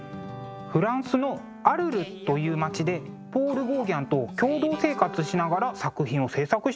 フランスのアルルという町でポール・ゴーギャンと共同生活しながら作品を制作したのですね。